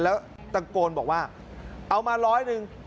แล้วตะโกนบอกว่าเอามาร้อยหนึ่ง